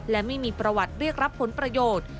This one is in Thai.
และไม่มีประวัติเรียกรับผลประโยชน์